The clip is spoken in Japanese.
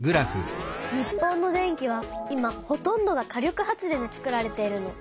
日本の電気は今ほとんどが火力発電でつくられているの。